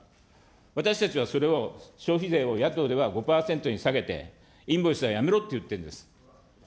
私たちはそれを消費税を野党では５％に下げて、インボイスはやめろって言ってるんです。